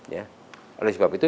ya oleh sebab itu